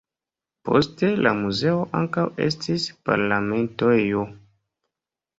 Poste la muzeo ankaŭ estis parlamentejo.